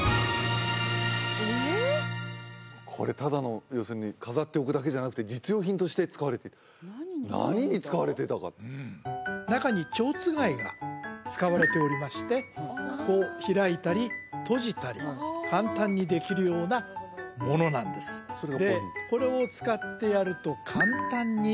これただの要するに飾っておくだけじゃなくて実用品として使われていた何に使われていたかうん中に蝶番が使われておりましてこう開いたり閉じたり簡単にできるようなものなんですでこれを使ってやると簡単に調理の下準備に入ることができるというええ